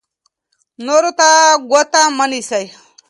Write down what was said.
نورو ته ګوته مه نیسئ.